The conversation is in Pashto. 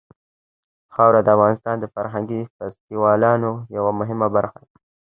خاوره د افغانستان د فرهنګي فستیوالونو یوه مهمه برخه ده.